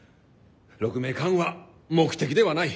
鹿鳴館は目的ではない。